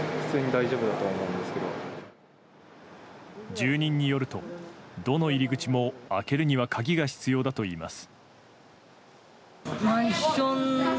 住人によるとどの入り口も開けるには鍵が必要だといいます。